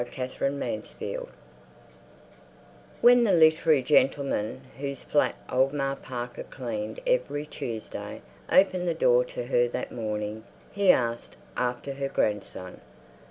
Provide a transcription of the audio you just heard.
Life of Ma Parker When the literary gentleman, whose flat old Ma Parker cleaned every Tuesday, opened the door to her that morning, he asked after her grandson.